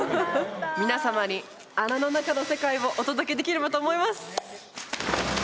皆様に穴の中の世界をお届けできればと思います